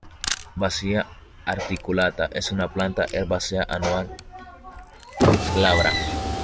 Vicia articulata es una planta herbácea anual, glabra.